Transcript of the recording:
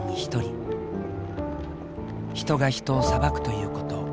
人が人を裁くということ。